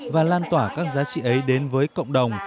và lan tỏa các giá trị ấy đến với cộng đồng